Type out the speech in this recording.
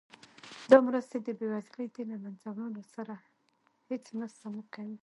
دا مرستې د بیوزلۍ د له مینځه وړلو سره هیڅ مرسته نه کوي.